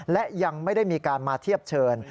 และยังไม่ได้มีการมาเทียบเชิญ